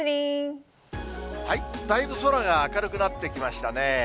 だいぶ空が明るくなってきましたね。